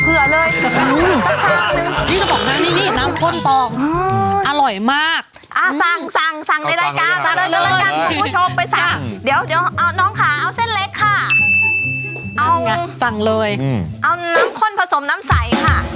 เอาน้ำข้นผสมน้ำใส